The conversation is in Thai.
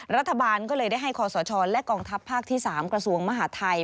รัฐบาลก็เลยได้ให้คอสชและกองทัพภาคที่๓กระทรวงมหาทัย